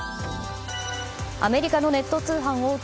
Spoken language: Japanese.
アメリカのネット通販大手